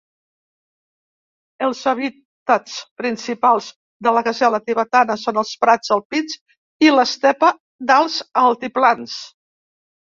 Els hàbitats principals de la gasela tibetana són els prats alpins i l"estepa d"alts altiplans.